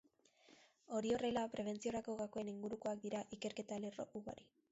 Hori horrela, prebentziorako gakoen ingurukoak dira ikerketa lerro ugari.